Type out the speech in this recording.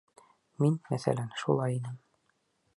Мин, мәҫәлән, шулай инем.